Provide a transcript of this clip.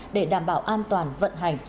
để đảm bảo an toàn vận hành